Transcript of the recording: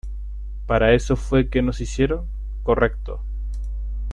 ¿ Para eso fue que nos hicieron, correcto?